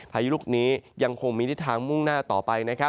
พายุลูกนี้ยังคงมีทิศทางมุ่งหน้าต่อไป